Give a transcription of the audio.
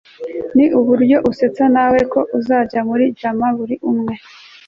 ni nuburyo asetsa nawe ko azajya muri jama buri umwe